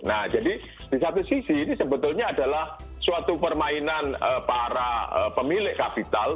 nah jadi di satu sisi ini sebetulnya adalah suatu permainan para pemilik kapital